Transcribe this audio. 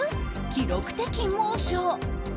記録的猛暑。